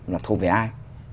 là thuộc về ai